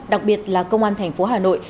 đặc biệt là công an thành phố hà nội